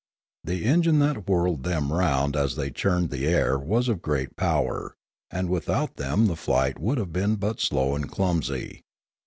The engine that whirled them round as they churned the air was of great power, and without them the flight would have been but slow and clumsy.